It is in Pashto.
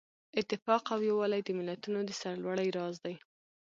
اتفاق او یووالی د ملتونو د سرلوړۍ راز دی.